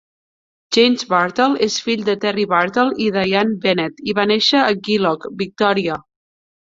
James Bartel és fill de Terry Bartel i Dianne Bennett i va néixer a Geelong, Victòria.